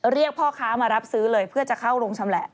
เรียกพ่อค้ามารับซื้อเลยเพื่อจะเข้าโรงชำแหละ